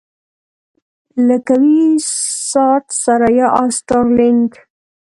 لکه وي-ساټ، ثریا او سټارلېنک.